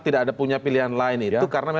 tidak ada punya pilihan lain itu karena memang